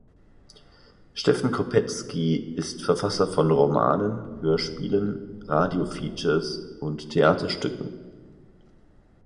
Steffen Kopetzky ist Verfasser von Romanen, Hörspielen, Radio-Features und Theaterstücken.